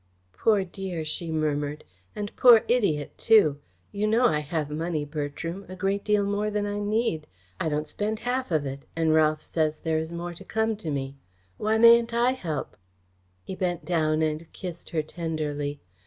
"Poor dear!" she murmured. "And poor idiot too! You know I have money, Bertram a great deal more than I need. I don't spend half of it, and Ralph says there is more to come to me. Why mayn't I help?" He bent down and kissed her tenderly.